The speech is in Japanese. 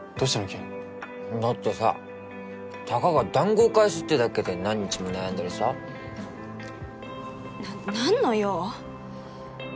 急にだってさたかがだんご返すってだけで何日も悩んだりさなんの用？